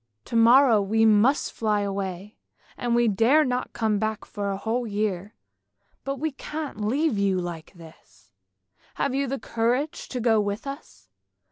" To morrow we must fly away, and we dare not come back for a whole year, but we can't leave you like this! Have you courage to go with us?